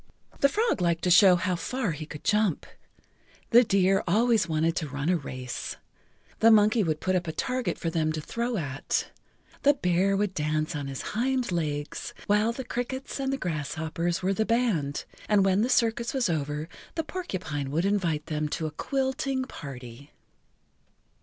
The frog liked to show how far he could jump, the deer always wanted to run a race, the monkey would put up a target for them to throw at, the bear would dance on his hind legs, while the crickets and the grasshoppers were the band, and when the circus was over the porcupine would invite them to a quill ting party.